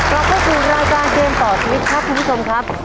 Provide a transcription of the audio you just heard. เราก็คือรายการเกมต่อชมิตครับคุณผู้ชมครับ